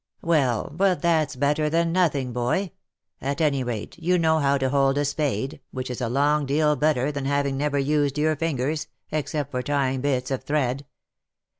" Well, but that's better than nothing, boy. At any rate, you know how to hold a spade, which is a long deal better than having never used your fingers, except for tying bits of thread.